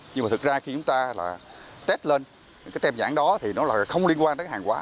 nhưng mà thực ra khi chúng ta là test lên cái tem nhãn đó thì nó là không liên quan đến hàng hóa